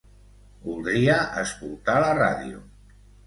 Voldria escoltar la ràdio.